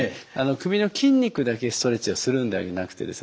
首の筋肉だけストレッチをするんではなくてですね